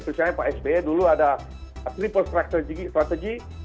misalnya pak sbe dulu ada triple strategy